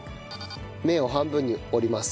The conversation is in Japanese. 麺を半分に折ります。